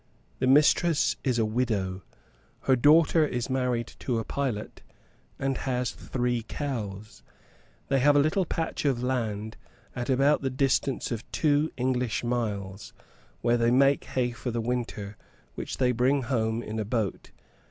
The mistress is a widow, her daughter is married to a pilot, and has three cows. They have a little patch of land at about the distance of two English miles, where they make hay for the winter, which they bring home in a boat.